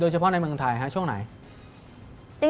เฉพาะในเมืองไทยช่วงไหน